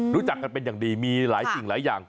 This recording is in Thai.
รู้จักกันเป็นอย่างดีมีหลายสิ่งหลายอย่าง